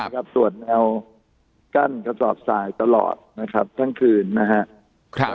ครับส่วนแนวกั้นกระสอบสายตลอดนะครับทั้งคืนนะครับ